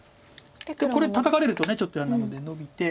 これタタかれるとちょっと嫌なのでノビて。